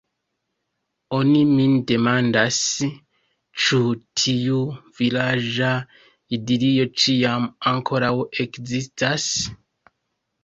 Oni min demandas, ĉu tiu vilaĝa idilio ĉiam ankoraŭ ekzistas.